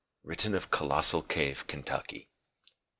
_Written of Colossal Cave, Kentucky.